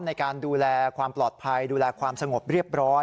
ในการดูแลความปลอดภัยดูแลความสงบเรียบร้อย